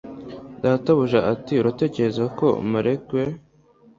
Databuja ati Uratekereza ko Malequeue